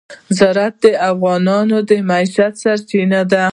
زراعت د افغانانو د معیشت سرچینه ده.